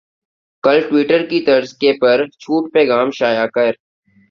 کل ٹیوٹر کی طرز کے پر چھوٹ پیغام شائع کر